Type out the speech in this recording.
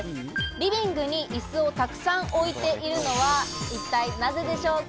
リビングにいすをたくさん置いているのは一体なぜでしょうか？